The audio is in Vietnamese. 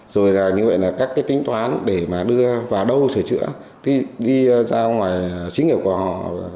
rồi như vậy là các cái tính toán để mà đưa vào đâu sửa chữa đi ra ngoài chính hiệu của họ